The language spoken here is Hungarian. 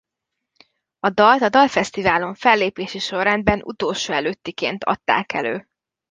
A dalt a dalfesztiválon fellépési sorrendben utolsó előttiként adták elő.